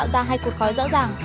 khi đốt tạo ra hai cột khói rõ ràng